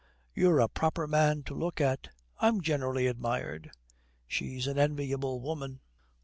'You're a proper man to look at.' 'I'm generally admired.' 'She's an enviable woman.'